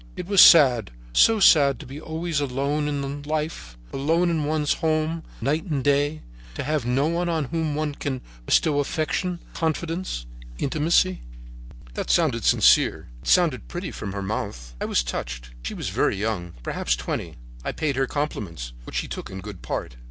It was sad, so sad to be always alone in life, alone in one's home, night and day, to have no one on whom one can bestow affection, confidence, intimacy. "That sounded sincere. It sounded pretty from her mouth. I was touched. She was very young, perhaps twenty. I paid her compliments, which she took in good part.